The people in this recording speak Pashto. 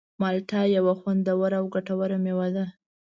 مالټه یوه خوندوره او ګټوره مېوه ده.